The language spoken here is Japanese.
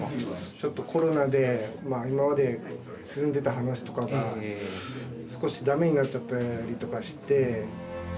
ちょっとコロナで今まで進んでた話とかが少し駄目になっちゃったりとかして。